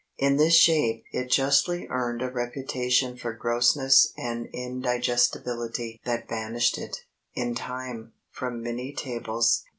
In this shape it justly earned a reputation for grossness and indigestibility that banished it, in time, from many tables.